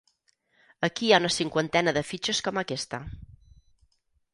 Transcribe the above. Aquí hi ha una cinquantena de fitxes com aquesta.